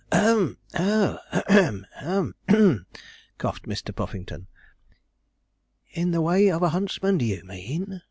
'Hem! hem! hem!' coughed Mr. Puffington. 'In the way of a huntsman do you mean?'